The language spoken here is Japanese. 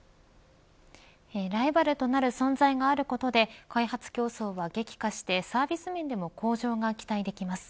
ライバルとなる存在があることで開発競争は激化してサービス面でも向上が期待できます。